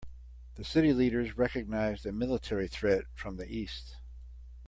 The city leaders recognized a military threat from the east.